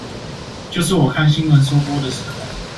就是我看新聞收播的時候